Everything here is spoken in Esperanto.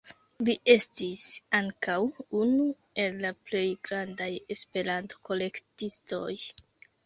Li estis ankaŭ unu el la plej grandaj Esperanto-kolektistoj.